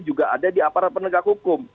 juga ada di aparat penegak hukum